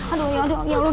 aduh yaudah yaudah